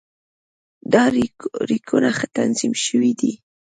دا ریکونه ښه تنظیم شوي دي.